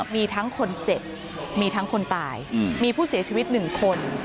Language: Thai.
มีทั้งคนเจ็บมีทั้งคนตายมีผู้เสียชีวิต๑คน